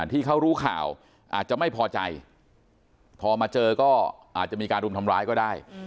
ที่เขารู้ข่าวอาจจะไม่พอใจพอมาเจอก็อาจจะมีการรุมทำร้ายก็ได้